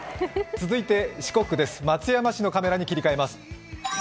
続いて四国です、松山市のカメラに切り替えます。